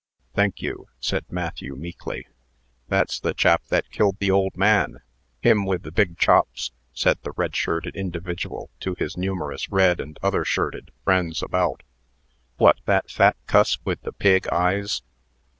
"Thank you," said Matthew, meekly. "That's the chap that killed the old man him with the big chops," said the red shirted individual to his numerous red and other shirted friends about. "What! that fat cuss with the pig eyes?"